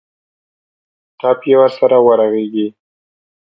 ټپ یې ورسره ورغېږي.